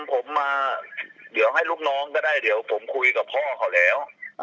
ผมมาเดี๋ยวให้ลูกน้องก็ได้เดี๋ยวผมคุยกับพ่อเขาแล้ว